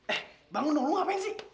eh bangun dulu ngapain sih